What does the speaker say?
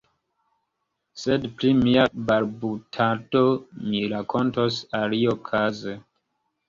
Sed pri mia balbutado mi rakontos aliokaze.